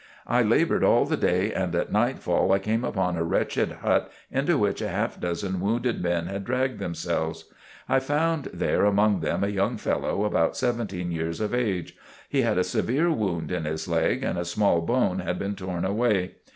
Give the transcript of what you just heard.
I labored all the day and at nightfall I came upon a wretched hut into which a half dozen wounded men had dragged themselves. I found there among them, a young fellow about seventeen years of age. He had a severe wound in his leg and a small bone had been torn away.